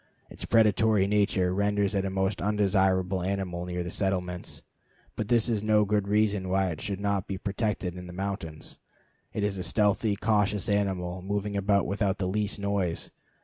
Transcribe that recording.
Its predatory nature renders it a most undesirable animal near settlements, but this is no good reason why it should not be protected in the mountains. It is a stealthy, cautious animal, moving about without the least noise.